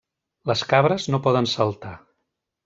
Les cabres no poden saltar.